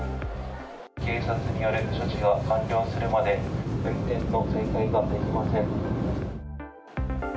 警察による処置が完了するまで、運転の再開ができません。